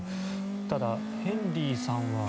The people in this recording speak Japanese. ただ、ヘンリーさんは。